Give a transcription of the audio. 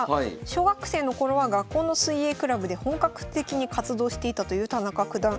小学生の頃は学校の水泳クラブで本格的に活動していたという田中九段。